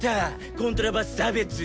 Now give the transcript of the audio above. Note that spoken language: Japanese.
コントラバス差別！